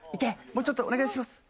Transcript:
もうちょっとお願いします。